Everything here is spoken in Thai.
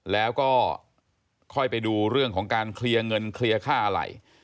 แล้วก็ค่อยไปดูเรื่องของการเคลียร์เงินเคลียร์ค่าอะไร